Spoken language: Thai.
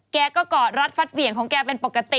แกก็กอดรัดฟัดเหวี่ยงของแกเป็นปกติ